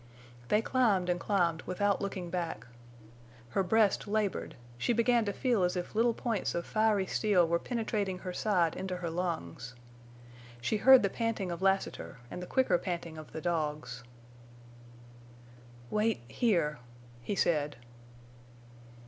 They climbed and climbed without looking back. Her breast labored; she began to feel as if little points of fiery steel were penetrating her side into her lungs. She heard the panting of Lassiter and the quicker panting of the dogs. "Wait—here," he said.